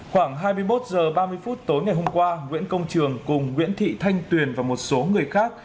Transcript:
khoảng hai mươi một h ba mươi phút tối ngày hôm qua nguyễn công trường cùng nguyễn thị thanh tuyền và một số người khác